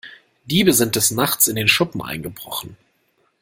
Diebe sind des Nachts in den Schuppen eingebrochen.